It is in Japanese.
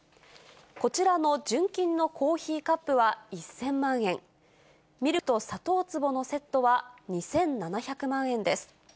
こちらの純金のコーヒーカップは１０００万円、ミルクと砂糖壺のセットは２７００万円です。